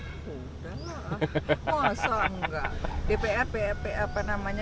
udah lah masa nggak